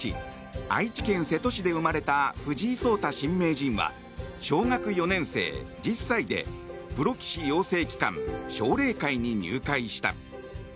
愛知県瀬戸市で生まれた藤井聡太新名人は小学４年生、１０歳でプロ棋士養成機関、奨励会に入会した。